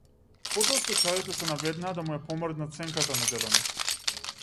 Потоа сточарите се наведнаа да му ја помрднат сенката на дедо ми.